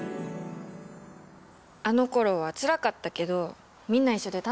あのころはつらかったけどみんな一緒で楽しかったな。